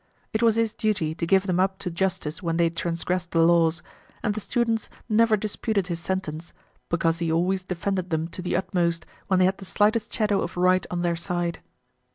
It was his duty to give them up to justice when they transgressed the laws, and the students never disputed his sentence, because he always defended them to the utmost, when they had the slightest shadow of right on their side.